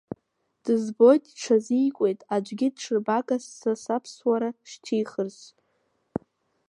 Дызбоит, иҽазикуеит аӡәгьы ҽырбагас са саԥсуара шьҭихырц.